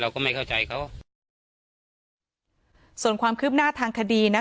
ก็ไม่เข้าใจเขาส่วนความคืบหน้าทางคดีนะคะ